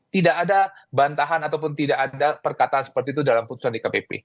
tidak ada bantahan ataupun tidak ada perkataan seperti itu dalam putusan dkpp